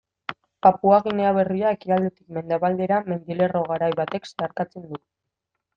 Papua Ginea Berria ekialdetik mendebaldera mendilerro garai batek zeharkatzen du.